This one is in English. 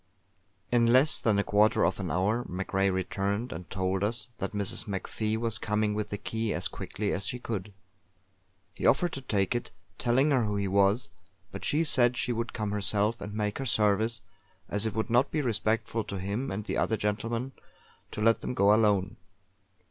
In less than a quarter of an hour MacRae returned and told us that Mrs. MacFie was coming with the key as quickly as she could. He offered to take it, telling her who he was; but she said she would come herself and make her service, as it would not be respectful to him and the other gentlemen to let them go alone.